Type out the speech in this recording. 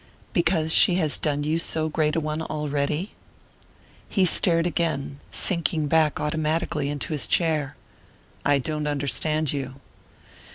"Because she has done you so great a one already?" He stared again, sinking back automatically into his chair. "I don't understand you."